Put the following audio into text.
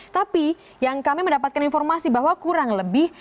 tapi yang kami mendapatkan informasi bahwa kurang lebih